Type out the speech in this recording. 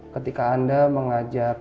ketika anda mengajak